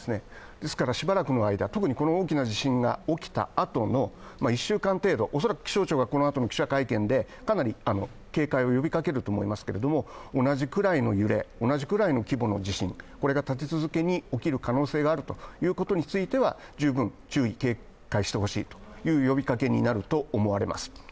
ですからしばらくの間、特にこの大きな地震が起きたあとの１週間程度、恐らく気象庁がこのあとの記者会見でかなり警戒を呼びかけると思いますけれども同じくらいの揺れ、同じくらいの規模の地震が立て続けに起きる可能性があるということについては十分、注意警戒してほしいという呼びかけになると思われます。